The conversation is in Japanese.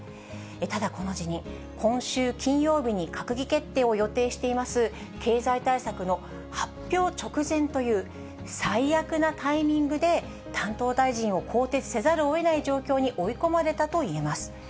ただこの辞任、今週金曜日に閣議決定を予定しています経済対策の発表直前という、最悪なタイミングで担当大臣を更迭せざるをえない状況に追い込まれたといえます。